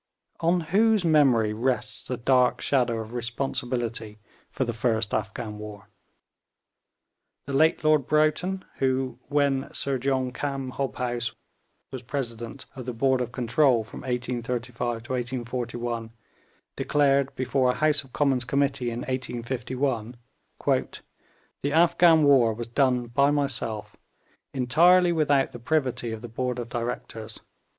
On whose memory rests the dark shadow of responsibility for the first Afghan war? The late Lord Broughton, who, when Sir John Cam Hobhouse, was President of the Board of Control from 1835 to 1841, declared before a House of Commons Committee, in 1851, 'The Afghan war was done by myself; entirely without the privity of the Board of Directors.'